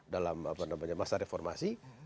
dalam masa reformasi